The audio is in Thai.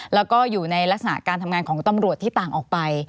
แล้วก็อยู่ในลักษณะการทำงานของตำรวจที่ต่างออกไป